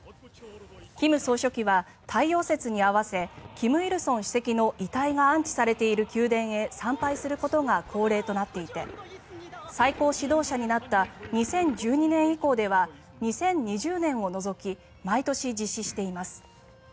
金総書記は太陽節に合わせ金日成主席の遺体が安置されている宮殿へ参拝することが恒例となっていて最高指導者になった２０１２年以降では２０２０年を除き毎年実施しています。